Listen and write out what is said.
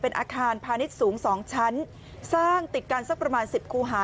อาคารพาณิชย์สูง๒ชั้นสร้างติดกันสักประมาณ๑๐คูหา